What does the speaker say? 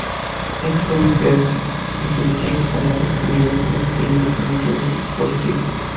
Estos son muy perjudiciales para la accesibilidad web y la independencia del dispositivo.